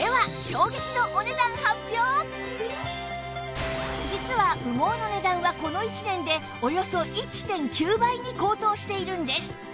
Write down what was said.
では実は羽毛の値段はこの１年でおよそ １．９ 倍に高騰しているんです